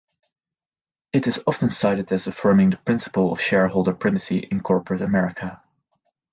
It is often cited as affirming the principle of "shareholder primacy" in corporate America.